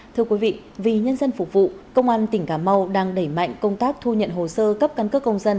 thưa quý vị vì nhân dân phục vụ công an tỉnh cà mau đang đẩy mạnh công tác thu nhận hồ sơ cấp căn cước công dân